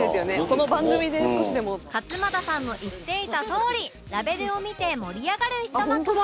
勝俣さんの言っていたとおりラベルを見て盛り上がる一幕も